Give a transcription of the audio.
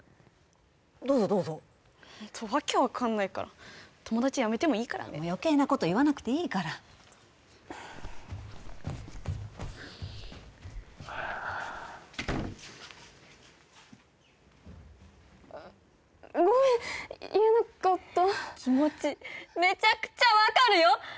どうぞどうぞホント訳分かんないから友達やめてもいいからね余計なこと言わなくていいからごめん言えなかった気持ちめちゃくちゃ分かるよ！